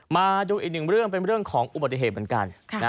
มาดูอีกหนึ่งเรื่องเป็นเรื่องของอุบัติเหตุเหมือนกัน